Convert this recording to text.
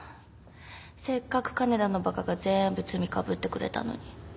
せっかく金田のバカが全部罪かぶってくれたのに。